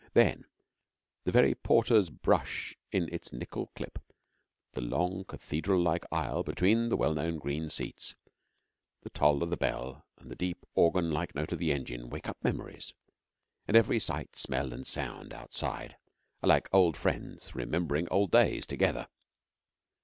Then, the very porter's brush in its nickel clip, the long cathedral like aisle between the well known green seats, the toll of the bell and the deep organ like note of the engine wake up memories; and every sight, smell, and sound outside are like old friends remembering old days together.